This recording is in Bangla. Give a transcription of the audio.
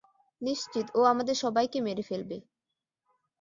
নিশ্চিত ও আমাদের সবাইকে মেরে ফেলবে।